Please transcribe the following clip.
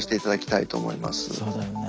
そうだよね。